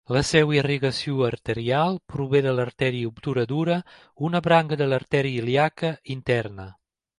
La seva irrigació arterial prové de l'artèria obturadora, una branca de l'artèria ilíaca interna.